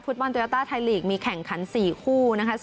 ฟุตบอลตูยาต้าไทยลีกส์มีแข่งขัน๔คู่นะคะ